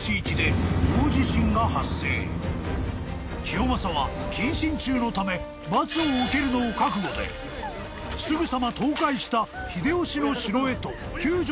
［清正は謹慎中のため罰を受けるのを覚悟ですぐさま倒壊した秀吉の城へと救助に向かったという］